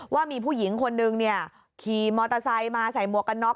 ว่ามีผู้หญิงคนนึงขี่มอเตอร์ไซค์มาใส่หมวกกันน็อ